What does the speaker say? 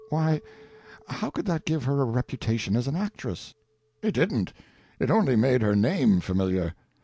"Why, how could that give her a reputation as an actress?" "It didn't—it only made her name familiar.